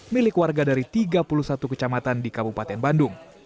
milik warga dari tiga puluh satu kecamatan di kabupaten bandung